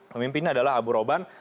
pemimpin adalah abu roban